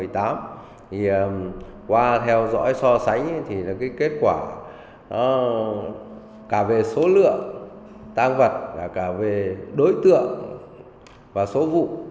thì qua theo dõi so sánh thì cái kết quả cả về số lượng tăng vật cả về đối tượng và số vụ